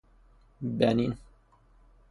بنین